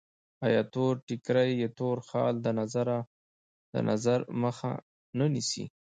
آیا تور ټیکری یا تور خال د نظر مخه نه نیسي؟